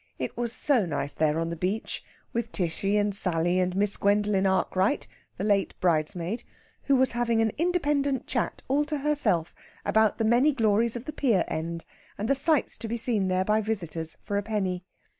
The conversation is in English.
It was so nice there on the beach, with Tishy and Sally and Miss Gwendolen Arkwright, the late bridesmaid, who was having an independent chat all to herself about the many glories of the pier end, and the sights to be seen there by visitors for a penny.